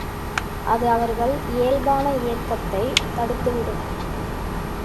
அது அவர்கள் இயல்பான இயக்கத்தைத் தடுத்துவிடும்.